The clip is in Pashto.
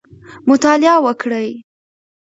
مطالعه وکړئ.